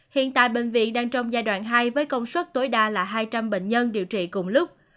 hiện tại bệnh viện đang trong giai đoạn hai với công suất tối đa là hai trăm linh bệnh nhân điều trị cùng lúc